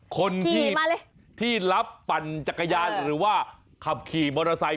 คนที่รับปั่นจักรยานหรือว่าขับขี่มอเตอร์ไซค